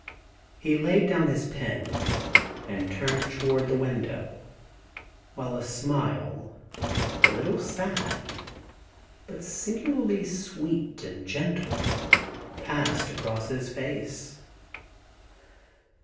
/ He laid down his pen and turned toward the window, while a smile, a little sad, but singularly sweet and gentle, passed across his face.